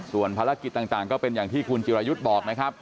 ส่วนภารกิจต่างก็เป็นอย่างที่คุณจิรายุทธ์บอกนะครับ